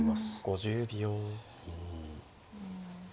５０秒。